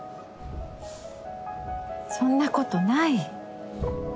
そんなことない。